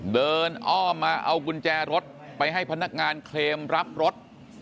อ้อมมาเอากุญแจรถไปให้พนักงานเคลมรับรถ